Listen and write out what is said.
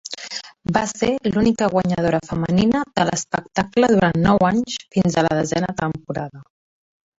Va ser l'única guanyadora femenina de l'espectacle durant nou anys fins a la desena temporada.